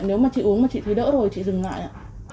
nếu mà chị uống mà chị thấy đỡ rồi chị dừng lại